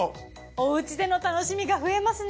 おうちでの楽しみが増えますね。